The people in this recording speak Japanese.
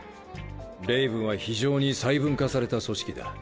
レイブンは非常に細分化された組織だ。